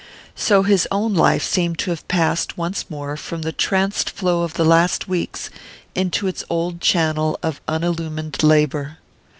So his own life seemed to have passed once more from the tranced flow of the last weeks into its old channel of unillumined labour.